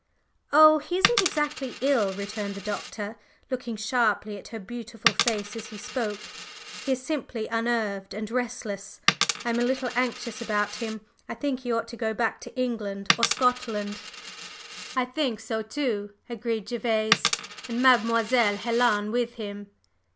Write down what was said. "Oh, he isn't exactly ill," returned the Doctor, looking sharply at her beautiful face as he spoke. "He is simply unnerved and restless. I am a little anxious about him. I think he ought to go back to England or Scotland." "I think so, too," agreed Gervase. "And Mademoiselle Helen with him."